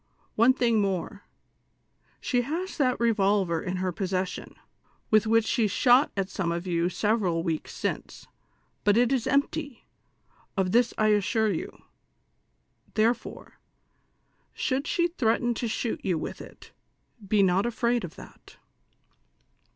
One thing more ; she has that revolver in her possession, Avith which she shot at some of you several weeks since ; but it is empty, of this I assure you, therefore, should she threaten to shoot you with it. be not afraid of that."